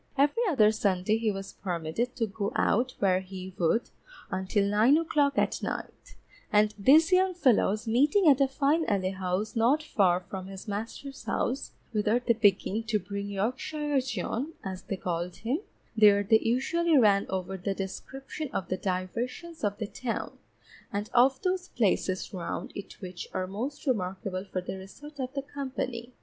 Every other Sunday he was permitted to go out where he would, until nine o'clock at night, and these young fellows meeting at a fine alehouse not far from his master's house, whither they began to bring Yorkshire John (as they called him), there they usually ran over the description of the diversions of the town, and of those places round it which are most remarkable for the resort of company.